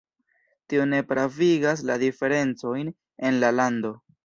Tio ne pravigas la diferencojn en la lando.